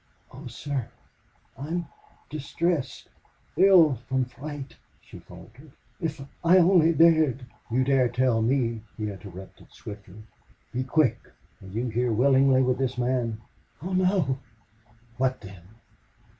"Oh, sir, I am distressed ill from fright!" she faltered. "If I only dared " "You dare tell me," he interrupted, swiftly. "Be quick. Are you here willingly with this man?" "Oh no!" "What then?"